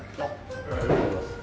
ありがとうございます。